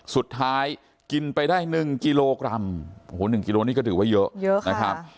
สุดท้ายกินไปได้๑กิโลกรัมโอ้โห๑กิโลนี่ก็ถือว่าเยอะเยอะนะครับ